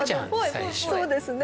最初そうですね